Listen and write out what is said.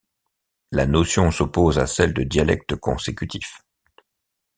La notion s'oppose à celle de dialecte consécutif.